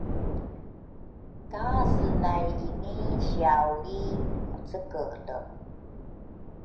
ka senayini siaulri mucekele.